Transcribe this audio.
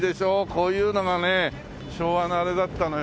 こういうのがねえ昭和のあれだったのよ。